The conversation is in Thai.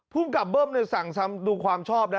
ผู้กำกับเบิฟสั่งทำดูความชอบ